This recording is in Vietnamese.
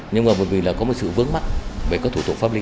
nhưng mà bởi vì có một sự vướng mắc về các thủ tục pháp lý